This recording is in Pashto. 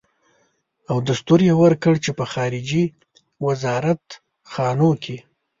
او دستور يې ورکړ چې په خارجي سفارت خانو کې.